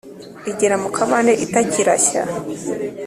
igera mu kabande itakirashya.